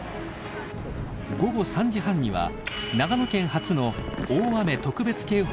午後３時半には長野県初の大雨特別警報が発令。